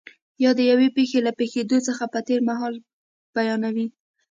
یا د یوې پېښې له پېښېدو څخه په تېر مهال بیانوي.